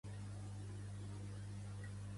Pertany al moviment independentista l'Inocencia?